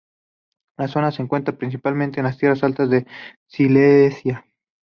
La zona se encuentra principalmente en las tierras altas de Silesia.